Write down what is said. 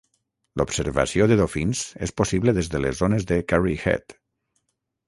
L'observació de dofins és possible des de les zones de Kerry Head.